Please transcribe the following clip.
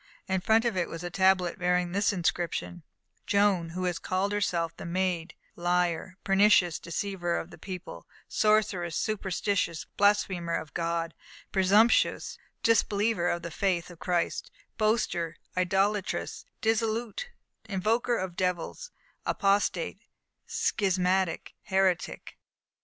In front of it was a tablet bearing this inscription: _Joan, who has called herself The Maid liar, pernicious, deceiver of the people, sorceress, superstitious, blasphemer of God, presumptuous, disbeliever of the faith of Christ, boaster, idolatress, dissolute, invoker of devils, apostate, schismatic, heretic.